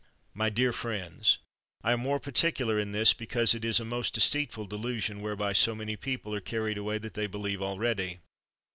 My dear friends, I am more particular in this, because it is a most deceitful delusion, whereby so many people are carried away, that they be lieve already.